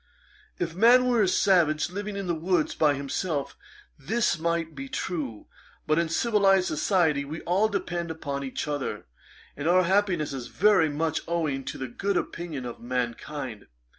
'If man were a savage, living in the woods by himself, this might be true; but in civilized society we all depend upon each other, and our happiness is very much owing to the good opinion of mankind.